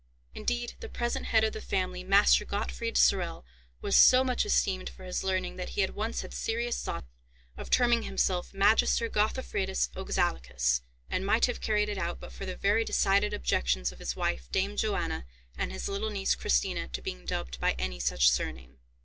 Indeed the present head of the family, Master Gottfried Sorel, was so much esteemed for his learning that he had once had serious thoughts of terming himself Magister Gothofredus Oxalicus, and might have carried it out but for the very decided objections of his wife, Dame Johanna, and his little niece, Christina, to being dubbed by any such surname.